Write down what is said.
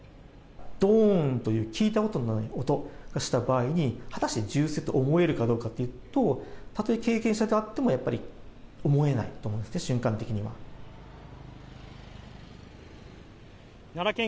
どーんという聞いたことのない音がした場合に、果たして銃声と思えるかどうかっていうと、たとえ経験者であってもやっぱり思えないと思うんですね、瞬間的奈良県